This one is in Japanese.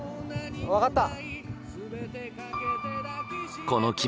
分かった。